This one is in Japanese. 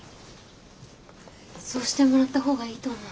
そうしてもらった方がいいと思う。